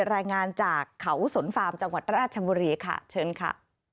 รายงานจากเขาสนฟาร์มจังหวัดราชบุรีค่ะเชิญค่ะ